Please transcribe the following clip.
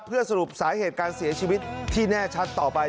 เพื่อสรุปสาเหตุการเสียชีวิตที่แน่ชัดต่อไป